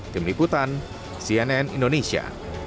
tim liputan cnn indonesia